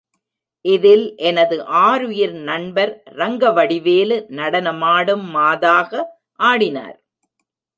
இதில் எனது ஆருயிர் நண்பர் ரங்கவடிவேலு நடனமாடும் மாதாக ஆடினார்.